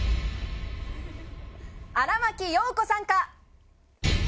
荒牧陽子さんか。